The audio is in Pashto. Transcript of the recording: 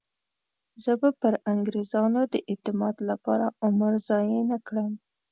زه به پر انګریزانو د اعتماد لپاره عمر ضایع نه کړم.